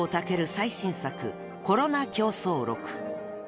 最新作『コロナ狂騒録』］